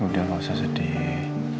udah nggak usah sedih